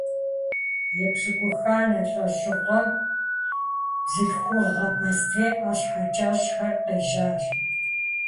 Епщыкӏуханэ лӏэщӏыгъуэм бзылъхугъэ бостей ӏэщхьэ кӏэщӏхэр къежьащ.